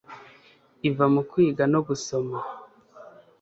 iva mukwiga no gusoma